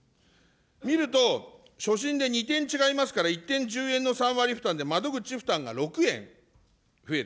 見ると、初診で２点違いますから、１点１０円の３割負担で、窓口負担が６円増える。